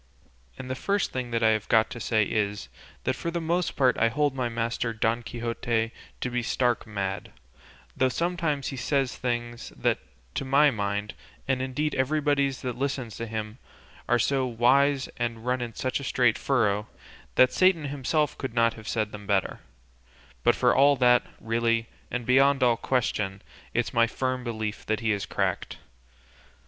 And the first thing I have got to say is, that for my own part I hold my master Don Quixote to be stark mad, though sometimes he says things that, to my mind, and indeed everybody's that listens to him, are so wise, and run in such a straight furrow, that Satan himself could not have said them better; but for all that, really, and beyond all question, it's my firm belief he is cracked.